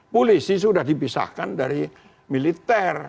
polisi sudah dipisahkan dari militer